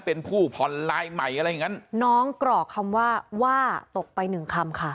เป็นผู้ผ่อนลายใหม่อะไรอย่างงั้นน้องกรอกคำว่าว่าตกไปหนึ่งคำค่ะ